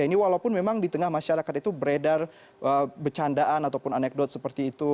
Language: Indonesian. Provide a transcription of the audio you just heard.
ini walaupun memang di tengah masyarakat itu beredar bercandaan ataupun anekdot seperti itu